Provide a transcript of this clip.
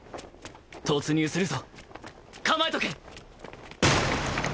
突入するぞ構えとけ！